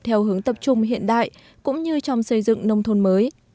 theo hướng tập trung hiện đại cũng như trong xây dựng nông thôn mới